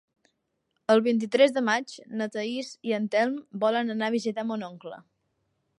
El vint-i-tres de maig na Thaís i en Telm volen anar a visitar mon oncle.